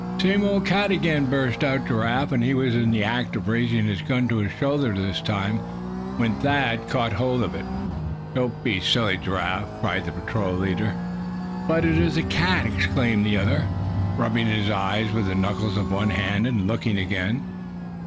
"Same old cat again!" burst out Giraffe; and he was in the act of raising his gun, to his shoulder this time, when Thad caught hold of it. "Don't be silly, Giraffe!" cried the patrol leader. "But it is a cat!" exclaimed the other, rubbing his eyes with the knuckles of one hand, and looking again.